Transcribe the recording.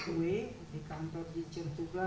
w di kantor di cirehubla